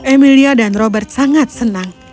emilia dan robert sangat senang